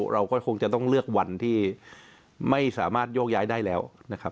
เราก็คงจะต้องเลือกวันที่ไม่สามารถโยกย้ายได้แล้วนะครับ